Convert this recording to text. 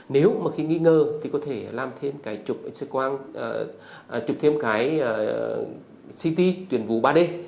nếu mà khi nghi ngờ thì có thể làm thêm cái trục xếp khoáng trục thêm cái ct tuyên vú ba d